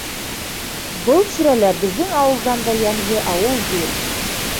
Был тирәлә беҙҙең ауылдан да йәмле ауыл юҡ.